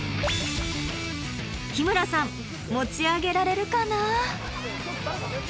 日村さん持ち上げられるかな？